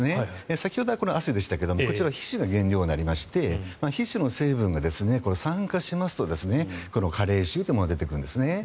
先ほどは汗でしたがこちらは皮脂が原料になりまして皮脂の成分が酸化しますと加齢臭というものが出てくるんですね。